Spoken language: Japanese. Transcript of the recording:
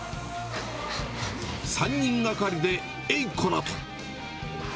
３人がかりで、えいこらと。